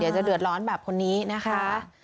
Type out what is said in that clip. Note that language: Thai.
เดี๋ยวจะเดือดร้อนแบบคนนี้นะคะ